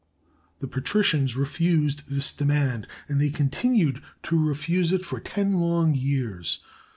The patricians re fused this demand, and they continued to refuse it for ten long years.